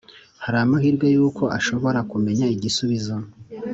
hari amahirwe yuko ashobora kumenya igisubizo